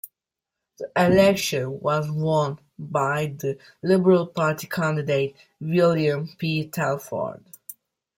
The election was won by the Liberal Party candidate, William P. Telford.